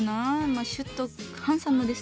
まあシュッとハンサムですね。